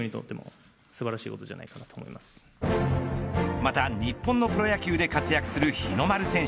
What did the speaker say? また日本のプロ野球で活躍する日の丸選手